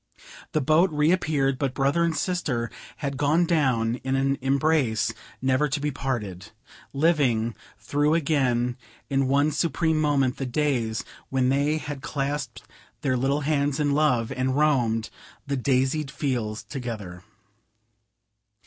The boat reappeared, but brother and sister had gone down in an embrace never to be parted; living through again in one supreme moment the days when they had clasped their little hands in love, and roamed the daisied fields together.